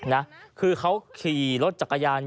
นะคือเขาขี่รถจักรยาน